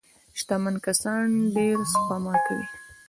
شتمن کسان ډېره سپما کوي.